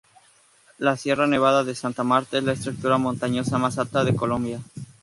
La Sierra Nevada de Santa Marta es la estructura montañosa más alta de Colombia.